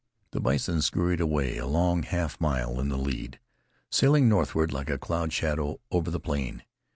The bison scoured away a long half mile in the lead, sailing northward like a cloud shadow over the plain.